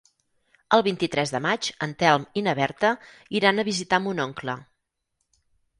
El vint-i-tres de maig en Telm i na Berta iran a visitar mon oncle.